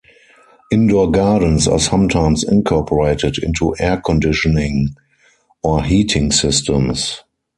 Indoor gardens are sometimes incorporated into air conditioning or heating systems.